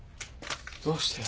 どうして。